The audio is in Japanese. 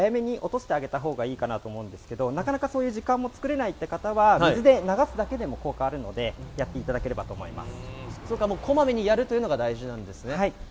できる限り早めに落としてあげたほうがいいと思うんですけど、なかなかそういう時間も作れない方は、水で流すだけでも効果があるので、やっていただけたらと思います。